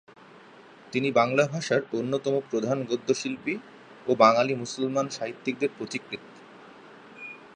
তিনি বাংলা ভাষার অন্যতম প্রধান গদ্যশিল্পী ও বাঙালি মুসলমান সাহিত্যিকদের পথিকৃৎ।